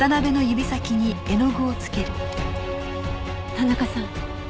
田中さん。